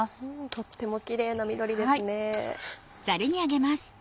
とてもキレイな緑ですね。